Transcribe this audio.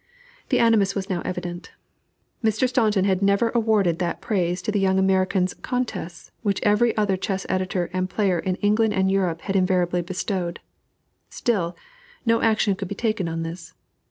The animus was now evident. Mr. Staunton had never awarded that praise to the young American's contests which every other chess editor and player in England and Europe had invariably bestowed: still, no action could be taken on this.